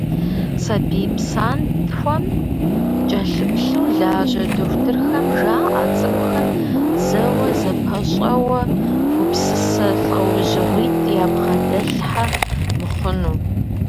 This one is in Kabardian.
Сабий псантхуэм кӏэлъыплъу лажьэ дохутырхэм жаӏэ цӏыкӏухэм зэуэ зэпэщӏэуэ гупсысэ лӏэужьыгъуитӏ ябгъэдэплъхьэ мыхъуну.